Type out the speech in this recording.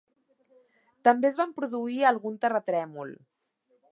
També es va produir algun terratrèmol.